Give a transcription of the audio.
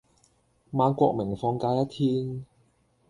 馬國明放假一天